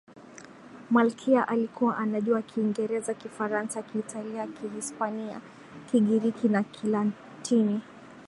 malkia alikuwa anajua kiingereza kifaransa kiitalia kihispania kigiriki na kilatini